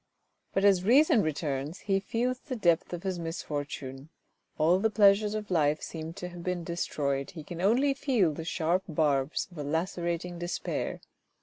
But as reason returns he feels the depth of his misfortune. All the pleasures of life seem to have been destroyed, he can only feel the sharp barbs of a lacerating despair.